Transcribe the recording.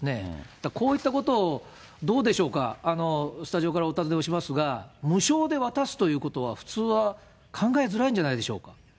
だから、こういったことを、どうでしょうか、スタジオからお尋ねをしますが、無償で渡すということは普通は考えづらいんじゃないでしょうか。